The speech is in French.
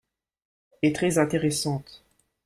est très intéressante.